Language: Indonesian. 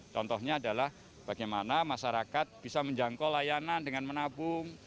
contohnya adalah bagaimana masyarakat bisa menjangkau layanan dengan menabung